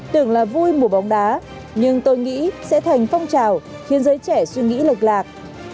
tưởng là vui mùa bóng đá nhưng tôi nghĩ sẽ thành phong trào khiến giới trẻ suy nghĩ lộc lạc